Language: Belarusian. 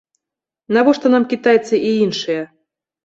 Навошта нам кітайцы і іншыя?